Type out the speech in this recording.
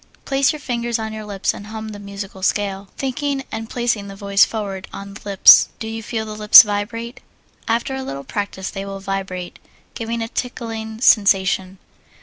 Place your finger on your lip and hum the musical scale, thinking and placing the voice forward on the lips. Do you feel the lips vibrate? After a little practise they will vibrate, giving a tickling sensation.